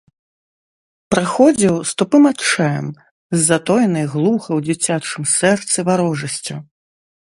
Прыходзіў з тупым адчаем, з затоенай глуха ў дзіцячым сэрцы варожасцю.